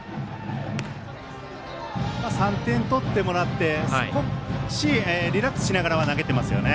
３点取ってもらって少し、リラックスしながら投げていますね。